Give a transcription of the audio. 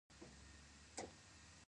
نو پکار ده چې هلته ورله د هغې دنګې کرسۍ